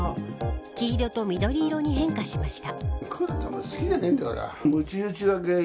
黄色と緑色に変化しました。